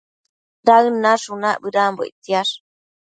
Daëd nashunac bëdanbo ictsiash